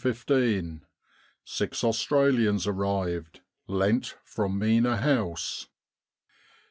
Six Australians arrived, lent from Mena House.